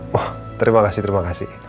wah terima kasih terima kasih